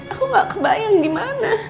aku gak kebayang dimana